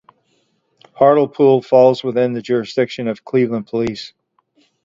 Hartlepool falls within the jurisdiction of Cleveland Police.